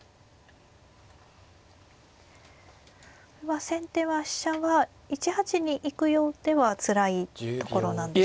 これは先手は飛車は１八に行くようではつらいところなんでしょうか。